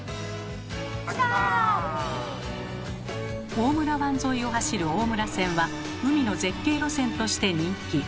大村湾沿いを走る大村線は海の絶景路線として人気。